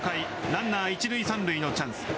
ランナー一塁三塁のチャンス。